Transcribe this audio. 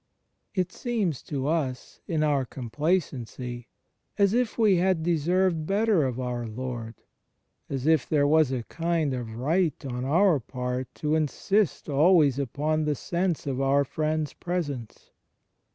It seems to us, in our complacency, as if we had deserved better of our Lord; as if there was a kind of right on our part to insist always upon the sense of our Friend's presence.